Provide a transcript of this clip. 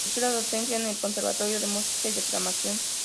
Ejerció la docencia en el Conservatorio de música y Declamación.